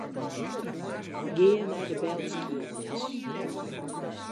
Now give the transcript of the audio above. Gean nei belskiednis.